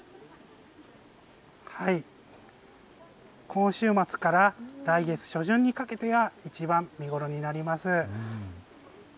今週末から来月初旬にかけてがいちばん見頃になります。